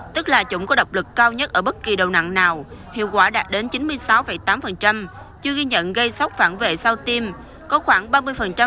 tức là chủng có độc lực cao nhất ở bất kỳ đầu nặng nào hiệu quả đạt đến chín mươi sáu tám chưa ghi nhận gây sóc phản vệ sau tiêm có khoảng ba mươi phản ứng bất lợi hay gặp sau tiêm